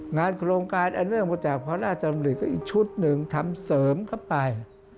งานโครงการอันเนื่องมาจากพระราชดำริก็อีกชุดหนึ่งทำเสริมเข้าไป